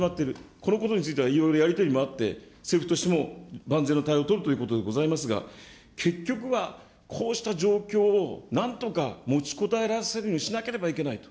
このことについては、いろいろやり取りもあって、政府としても万全の対応を取る、こういうことでございますが、結局は、こうした状況をなんとか持ちこたえらせるようにしなければならないと。